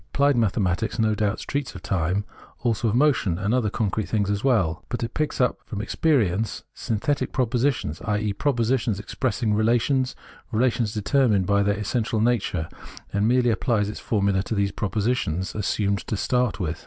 Applied mathematics, no doubt, treats of time, as also of motion, and other concrete things as well ; but it picks up/ from ex perience synthetic propositions — i.e. propositions ex pressing relations, relations determined by their es sential nature — and merely applies its formulae to those propositions assumed to start with.